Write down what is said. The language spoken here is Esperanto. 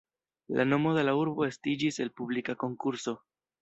La nomo de la urbo estiĝis el publika konkurso.